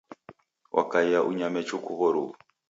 Wakaia unyame chuku w'oruwu.